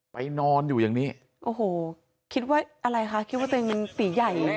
ไปนอนอยู่อย่างนี้โว้โฮคิดว่าอะไรคะคิดว่าเป็นตีใหญ่